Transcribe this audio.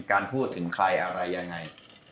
การพูดถึงใครอะไรยังไง